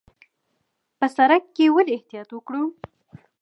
په سړک کې ولې احتیاط وکړو؟